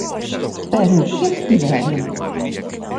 Pero ¿que obtiveron?